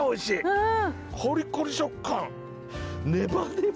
うん。